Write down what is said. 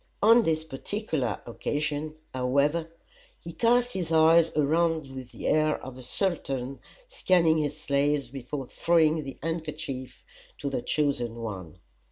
On this particular occasion, however, he cast his eyes around with the air of a sultan scanning his slaves before throwing the handkerchief to the chosen one.